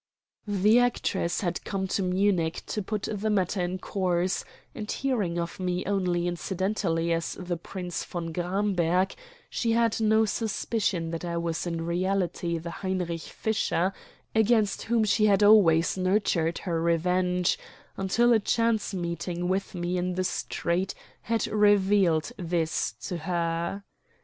The actress had come to Munich to put the matter in course, and, hearing of me only incidentally as the Prince von Gramberg, she had no suspicion that I was in reality the Heinrich Fischer against whom she had always nurtured her revenge, until a chance meeting with me in the street had revealed this to her.